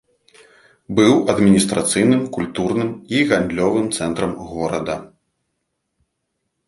Быў адміністрацыйным, культурным і гандлёвым цэнтрам горада.